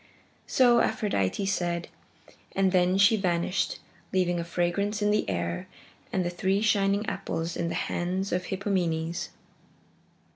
So Aphrodite said, and then she vanished, leaving a fragrance in the air and the three shining apples in the hands of Hippomenes.